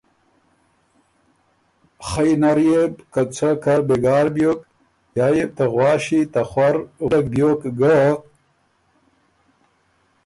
خئ نر يې بو که څۀ کر بېګار بیوک یا يې بو ته غواݭی ته خؤر وُولک بیوک ګه۔